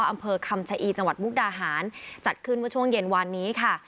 อำเภอคำชะอีจังหวัดมุกดาหารจัดขึ้นเมื่อช่วงเย็นวานนี้ค่ะ